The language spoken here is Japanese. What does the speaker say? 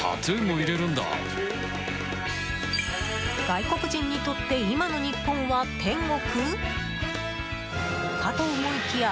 外国人にとって今の日本は天国？かと思いきや。